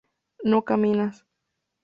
no caminas